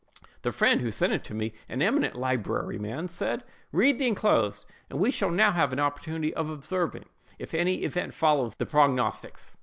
The friend who sent it me, an eminent literary man, said, "Read the enclosed; and we shall now have an opportunity of observing if any event follows the prognostics."